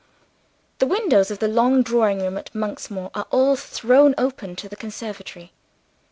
The windows of the long drawing room at Monksmoor are all thrown open to the conservatory.